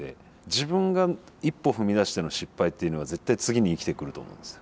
自分が一歩踏み出しての失敗っていうのは絶対次に生きてくると思うんですよ。